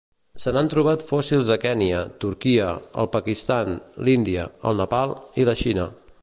Se n'han trobat fòssils a Kenya, Turquia, el Pakistan, l'Índia, el Nepal i la Xina.